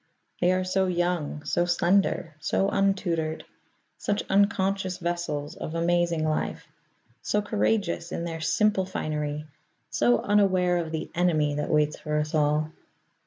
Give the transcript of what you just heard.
They are so young, so slender, so untutored, such unconscious vessels of amazing life; so courageous in their simple finery, so unaware of the Enemy that waits for us all.